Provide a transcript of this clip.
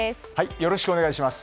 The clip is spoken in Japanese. よろしくお願いします。